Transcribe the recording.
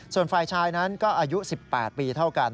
ส่วนฝ่ายชายนั้นก็อายุ๑๘ปีเท่ากัน